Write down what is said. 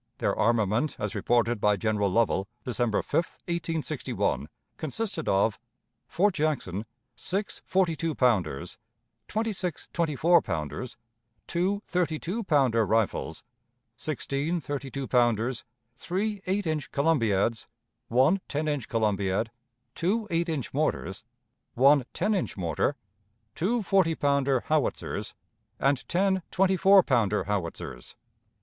Their armament, as reported by General Lovell, December 5, 1861, consisted of Fort Jackson: six forty two ponders, twenty six twenty four pounders, two thirty two pounder rifles, sixteen thirty two pounders, three eight inch columbiads, one ten inch columbiad, two eight inch mortars, one ten inch mortar, two forty pounder howitzers, and ten twenty four pounder howitzers.